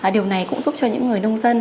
điều này cũng giúp cho những người nông dân